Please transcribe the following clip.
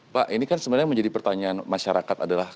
pak ini kan sebenarnya menjadi pertanyaan masyarakat adalah